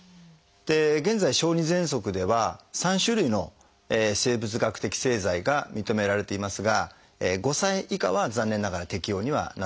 現在小児ぜんそくでは３種類の生物学的製剤が認められていますが５歳以下は残念ながら適応にはなっておりません。